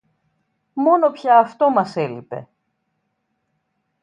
Μόνο πια αυτό μας έλειπε